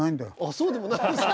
そうでもないんですか。